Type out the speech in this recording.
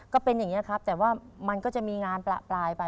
ก็เป็นอย่างนี้ครับแต่ว่ามันก็จะมีงานประปรายไป